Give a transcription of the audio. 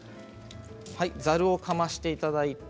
ざるをかましていただいて。